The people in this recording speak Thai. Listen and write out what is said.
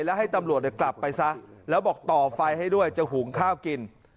แล้วให้ตำรวจกลับไปซะแล้วบอกต่อไฟให้ด้วยจะหุงข้าวกิน